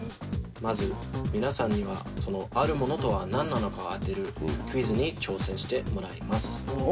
まず、皆さんには、そのあるものとはなんなのかを当てるクイズに挑戦してもらいます。